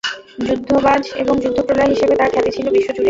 যুদ্ধবাজ এবং যুদ্ধ-প্রলয় হিসেবে তার খ্যাতি ছিল বিশ্বজুড়ে।